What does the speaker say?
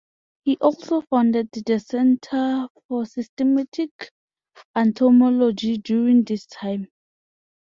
He also founded the Center for Systematic Entomology during this time.